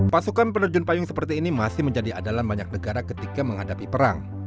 pasukan penerjun payung seperti ini masih menjadi andalan banyak negara ketika menghadapi perang